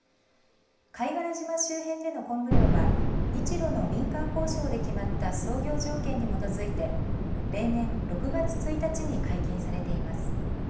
貝殻島周辺でのコンブ漁は日ロの民間交渉で決まった操業条件に基づいて例年６月１日に解禁されています。